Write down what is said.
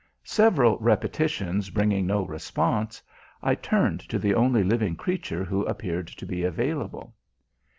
Several repetitions bringing no response, I turned to the only living creature who appeared to be available.